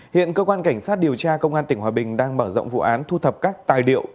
hiện cơ quan cảnh sát điều tra công an tỉnh hòa bình đang mở rộng vụ án thu thập các tài liệu